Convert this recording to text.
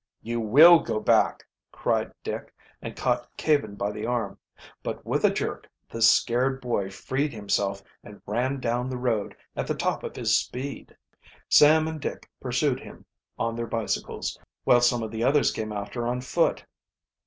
"You will go back!" cried Dick, and caught Caven by the arm. But with a jerk the seared boy freed himself and ran down the road at the top of his speed. Sam and Dick pursued him on their bicycles, while some of the others came after on foot.